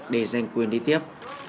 để giành quyền đi tiếp